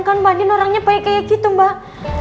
kan mbak andin orangnya baik kayak gitu mbak